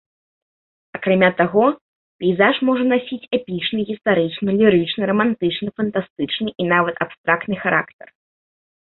Акрамя таго, пейзаж можа насіць эпічны, гістарычны, лірычны, рамантычны, фантастычны і нават абстрактны характар.